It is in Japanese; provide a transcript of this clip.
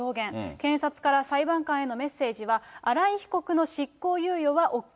検察から裁判官へのメッセージは、新井被告の執行猶予はＯＫ。